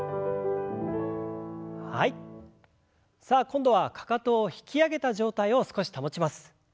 さあ今度はかかとを引き上げた状態を少し保ちます。